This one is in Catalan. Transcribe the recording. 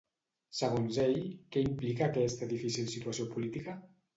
Segons ell, què implica aquesta difícil situació política?